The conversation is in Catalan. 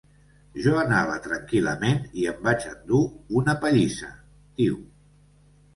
Jo anava tranquil·lament i em vaig endur una pallissa, diu.